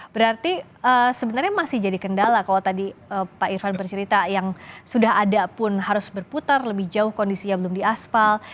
berarti sebenarnya masih jadi kendala kalau tadi pak irfan bercerita yang sudah ada pun harus berputar lebih jauh kondisinya belum diaspal